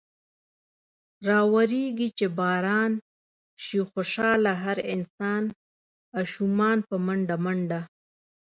راورېږي چې باران۔ شي خوشحاله هر انسان ـ اشومان په منډه منډه ـ